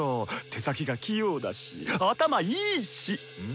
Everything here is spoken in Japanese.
手先が器用だし頭いいし。